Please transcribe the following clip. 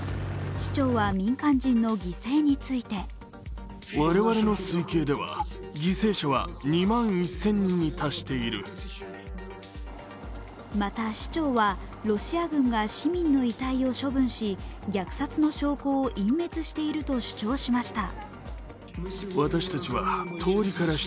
市長は民間人の犠牲についてまた、市長はロシア軍が市民の遺体を処分し、虐殺の証拠を隠滅していると主張しました。